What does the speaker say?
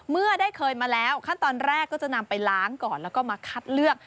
เมื่อได้เคยมาแล้วขั้นตอนแรกก็จะนำไปล้างก่อนแล้วก็มาคัดเลือก